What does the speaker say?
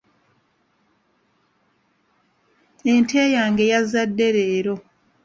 Ente yange yazadde leero.